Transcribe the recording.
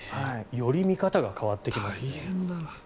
より見方が変わってきますね。